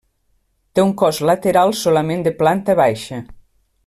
Té un cos lateral solament de planta baixa.